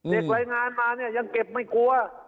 รายงานมาเนี่ยยังเก็บไม่กลัว